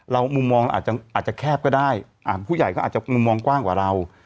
มุมมองเราอาจจะแคบก็ได้ผู้ใหญ่ก็อาจจะมุมมองกว้างกว่าเรา